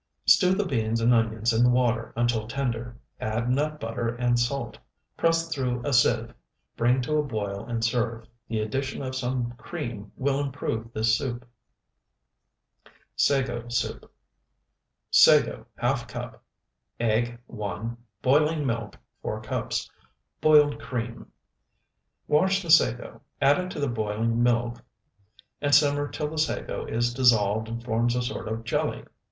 Stew the beans and onions in the water until tender; add nut butter and salt; press through a sieve, bring to a boil, and serve. The addition of some cream will improve this soup. SAGO SOUP Sago, ½ cup. Egg, 1. Boiling milk, 4 cups. Boiled cream. Wash the sago, add it to the boiling milk, and simmer till the sago is dissolved and forms a sort of jelly.